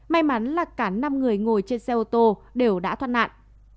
may mắn là cả năm người ngồi trên xe ô tô đều đã thoát nạn